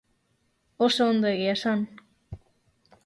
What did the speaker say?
Oso ondo, egia esan.